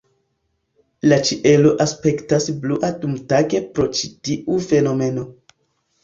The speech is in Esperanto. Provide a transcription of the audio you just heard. La ĉielo aspektas blua dumtage pro ĉi tiu fenomeno.